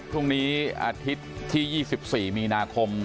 พรุ่งนี้อาทิตย์ที่๒๔มีนาคม